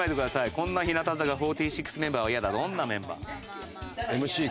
「こんな日向坂４６メンバーは嫌だどんなメンバー？」